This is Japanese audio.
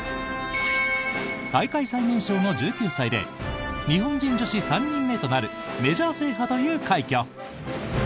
大会最年少の１９歳で日本人女子３人目となるメジャー制覇という快挙！